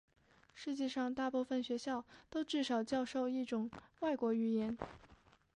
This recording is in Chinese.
世界上大部分学校都至少教授一种外国语言。